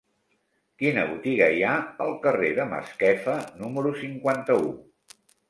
Quina botiga hi ha al carrer de Masquefa número cinquanta-u?